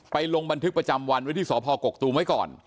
ลงบันทึกประจำวันไว้ที่สพกกตูมไว้ก่อน